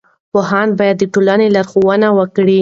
پوهان باید د ټولنې لارښوونه وکړي.